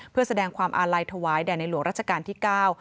เพื่อแสดงความอาลัยถวายแด่ในหลวงรัชกาลที่เก้า